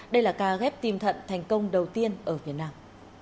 đây là ca ghép tim thận thành công đầu tiên ở việt nam